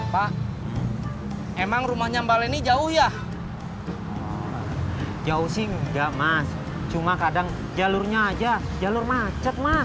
pak emang rumahnya mbak leni jauh ya jauh sih enggak mas cuma kadang jalurnya aja jalur macet mas